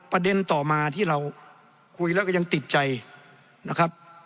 ประเด็นต่อมาที่เราคุยแล้วก็ยังติดใจนะครับ